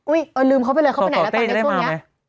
อุ้ยลืมเข้าไปเลยเข้าไปไหนตอนเนี้ยช่วงนี้